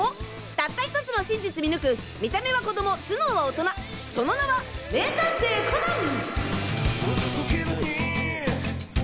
たった１つの真実見抜く見た目は子供頭脳は大人その名は名探偵コナン！